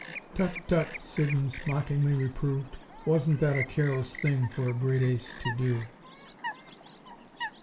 "Tut! tut!" Siddons mockingly reproved. "Wasn't that a careless thing for a great ace to do?"